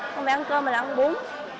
không phải ăn cơm mà là ăn bún